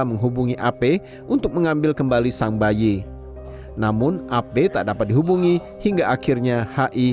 menghubungi ap untuk mengambil kembali sang bayi namun ap tak dapat dihubungi hingga akhirnya hi